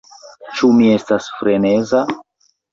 Ĉu mi estas freneza?